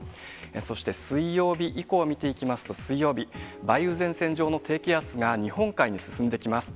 そして水曜日以降を見ていきますと、水曜日、梅雨前線上の低気圧が日本海に進んできます。